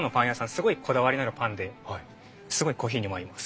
すごいこだわりのあるパンですごいコーヒーにも合います。